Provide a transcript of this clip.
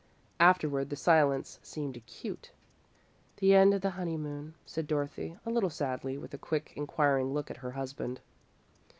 Afterward, the silence seemed acute. "The end of the honeymoon," said Dorothy, a little sadly, with a quick, inquiring look at her husband.